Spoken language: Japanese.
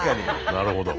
なるほど。